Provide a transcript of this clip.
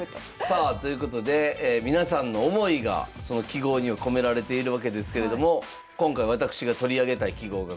さあということで皆さんの思いがその揮毫には込められているわけですけれども今回私が取り上げたい揮毫がこちら。